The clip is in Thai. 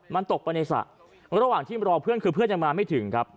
มันตกไปในสระระหว่างที่รอเพื่อนคือเพื่อนยังมาไม่ถึงครับ